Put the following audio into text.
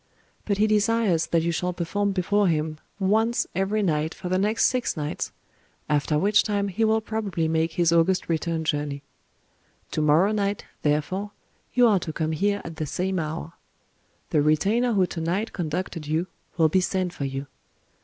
But he desires that you shall perform before him once every night for the next six nights—after which time he will probably make his august return journey. To morrow night, therefore, you are to come here at the same hour. The retainer who to night conducted you will be sent for you...